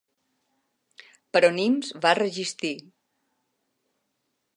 Però Nimes va resistir.